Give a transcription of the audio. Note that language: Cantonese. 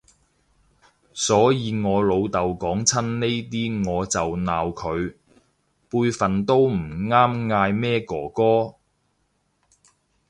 所以我老豆講親呢啲我就鬧佢，輩份都唔啱嗌咩哥哥